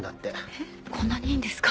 えっこんなにいいんですか？